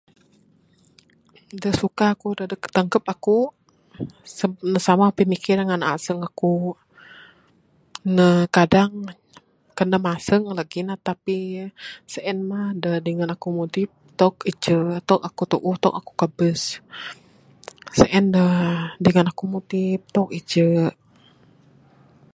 Da suka ku dadeg tangkeb aku ne samah pimikir dangan aseng aku ne kadang kanam aseng lagih ne tapi sien mah de dingan aku mudip tok ije tok aku tuuh tok aku kabes. Sien da dingan aku mudip tok ije.